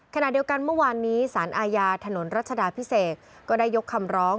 ขณะเดียวกันเมื่อวานนี้สารอาญาถนนรัชดาพิเศษก็ได้ยกคำร้อง